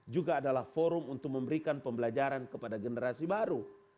juga adalah forum untuk memberikan pembelajaran kepada generasi baru